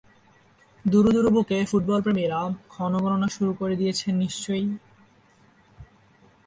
দুরু দুরু বুকে ফুটবলপ্রেমীরা ক্ষণগণনা শুরু করে দিয়েছেন নিশ্চয়ই।